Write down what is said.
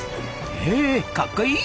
へかっこいい！